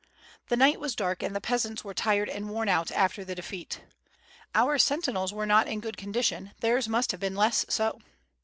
'' "The night was dark and the peasants were tired and worn out after the defeat. Our sentinels were not in good condi tion, theirs must have been much less so."